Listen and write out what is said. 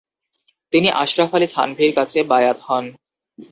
তিনি আশরাফ আলী থানভীর কাছে বায়আত হন।